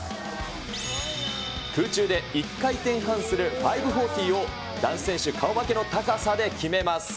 空中で１回転半する５４０を、男子選手顔負けの高さで決めます。